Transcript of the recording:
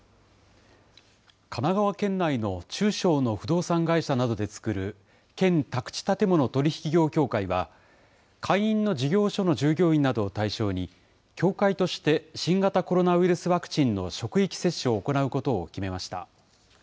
神奈川県内の中小の不動産会社などで作る県宅地建物取引業協会は、会員の事業所の従業員などを対象に、協会として新型コロナウイルスワクチンの職域接種を行うことを決めました。